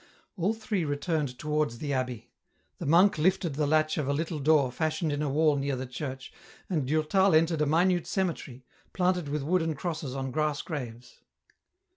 All three returned towards the abbey ; the monk liftea the latch of a little door fashioned in a wall near the church, and Durtal entered a minute cemetery, planted with wooden crosses on grass graves.